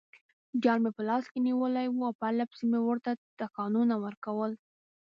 جال مې په لاس کې نیولی وو او پرلپسې مې ورته ټکانونه ورکول.